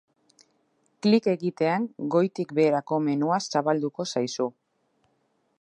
Klik egitean goitik-beherako menua zabalduko zaizu.